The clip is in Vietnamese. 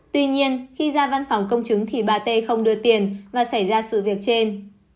tuy nhiên khi ra văn phòng công chứng thì bà t không đưa tiền và xảy ra sự việc trên